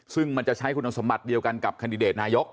ซึ่งมันจะใช้คุณสมบัติเดียวกันกับคันดิเดตนายก